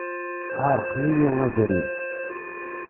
Sεerqen-iyi abrid.